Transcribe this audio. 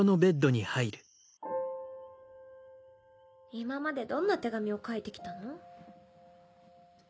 今までどんな手紙を書いて来たの？